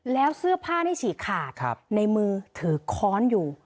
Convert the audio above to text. แล้วเสื้อผ้านี่ฉีกขาดในมือถือค้อนอยู่